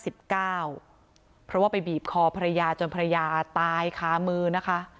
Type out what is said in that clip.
เพราะว่าไปบีบคอภรรยาจนภรรยาตายคามือนะคะ